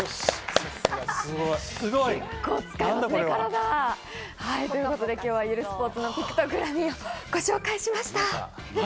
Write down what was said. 結構、体使いますね。ということで今日はゆるスポーツのピクトグラミーをご紹介しました。